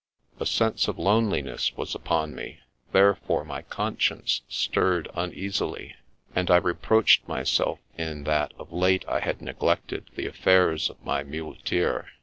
A sense of loneliness was upon me, therefore my conscience stirred uneasily, and I reproached myself in that of late I had neglected the affairs of my muleteer.